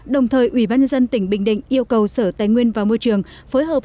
đồng thời ủy ban nhân dân tỉnh bình định yêu cầu sở tài nguyên và môi trường phối hợp